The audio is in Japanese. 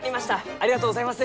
ありがとうございます！